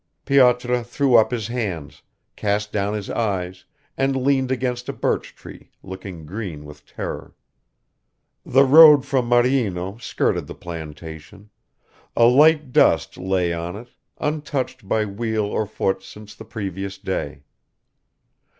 Pyotr threw up his hands, cast down his eyes, and leaned against a birch tree, looking green with terror. The road from Maryino skirted the plantation; a light dust lay on it, untouched by wheel or foot since the previous day.